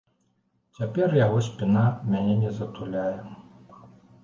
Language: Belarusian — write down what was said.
Цяпер яго спіна мяне не затуляе.